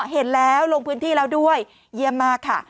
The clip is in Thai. เห็นแล้วลงพื้นที่แล้วด้วยเยี่ยมมากค่ะ